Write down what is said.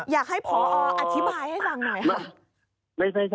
อยากให้ของพออธิบายให้ทั้งหน่อย